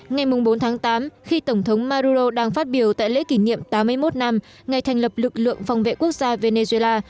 ngày bốn tháng tám khi tổng thống maduro đang phát biểu tại lễ kỷ niệm tám mươi một năm ngày thành lập lực lượng phòng vệ quốc gia venezuela